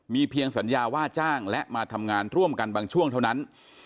เพียงสัญญาว่าจ้างและมาทำงานร่วมกันบางช่วงเท่านั้น